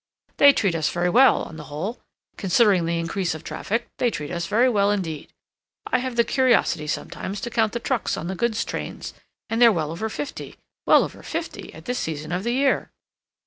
"They treat us very well, on the whole. Considering the increase of traffic, they treat us very well indeed. I have the curiosity sometimes to count the trucks on the goods' trains, and they're well over fifty—well over fifty, at this season of the year."